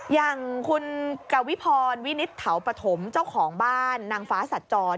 อย่างคุณกวิพรวินิตเถาปฐมเจ้าของบ้านนางฟ้าสัจจร